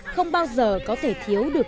không bao giờ có thể thiếu được